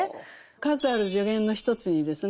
数ある助言の一つにですね